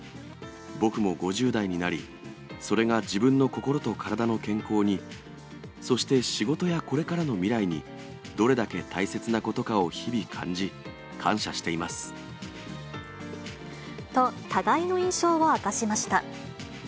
僕も５０代になり、それが自分の心と体の健康に、そして仕事やこれからの未来に、どれだけ大切なことかを日々感じ、感謝しています。と互いの印象を明かしました。